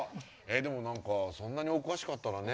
でも何かそんなにお詳しかったらね。